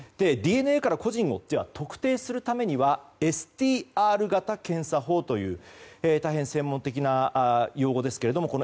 ＤＮＡから個人を特定するためにはＳＴＲ型検査法という大変専門的な用語ですけども。